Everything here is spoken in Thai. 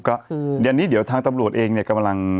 อันนี้เดี๋ยวทางตำรวจเองกำลัง